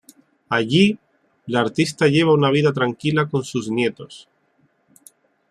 Allí, la artista lleva una vida tranquila con sus nietos.